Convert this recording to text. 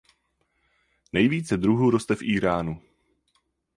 Nejvíce druhů roste v Íránu.